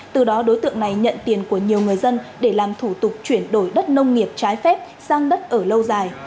từ đó đối tượng này nhận tiền của nhiều người dân để làm thủ tục chuyển đổi đất nông nghiệp trái phép sang đất ở lâu dài